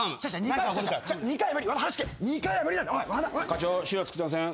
課長資料作ってません。